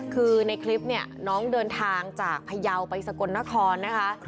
คือในคลิปเนี่ยน้องเดินทางจากพยาวไปสกลนครนะคะ